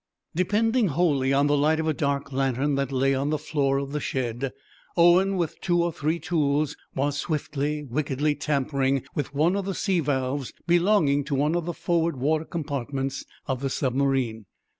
Depending wholly on the light of a dark lantern that lay on the floor of the shed, Owen, with two or three tools, was swiftly, wickedly tampering with one of the sea valves belonging to one of the forward water compartments of the submarine.